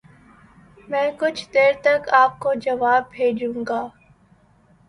میں کچھ دیر تک آپ کو جواب بھیجوں گا۔۔۔